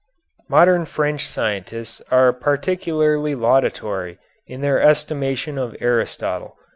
Modern French scientists are particularly laudatory in their estimation of Aristotle.